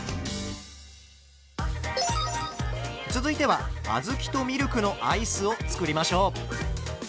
続いてはあずきとミルクのアイスを作りましょう。